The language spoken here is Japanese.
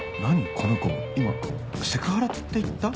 この子今セクハラって言った？